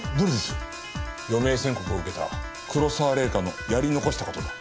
余命宣告を受けた黒沢玲香のやり残した事だ。